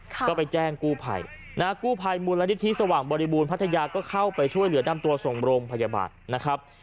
ก็ไปแจ้งกู้ภัยนะฮะกู้ภัยมูลนิธิสว่างบริบูรณพัทยาก็เข้าไปช่วยเหลือนำตัวส่งโรงพยาบาลนะครับ